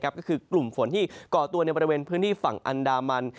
ก็คือกลุ่มฝนที่ก่อตัวในบริเวณพื้นที่ฝั่งอันดามัน